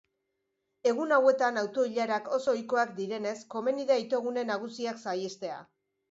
Egun hauetan auto-ilarak oso ohikoak direnez, komeni da itogune nagusiak saihestea.